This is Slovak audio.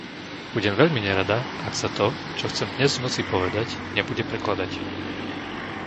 Budem veľmi nerada, ak sa to, čo chcem dnes v noci povedať, nebude prekladať.